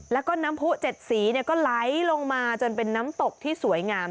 แล้วก็น้ำผู้๗สีก็ไหลลงมาจนเป็นน้ำตกที่สวยงาม